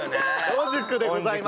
野宿でございます。